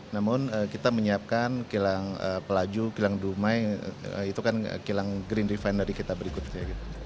namun kita menyiapkan kilang pelaju kilang dumai itu kan kilang green refinery kita berikutnya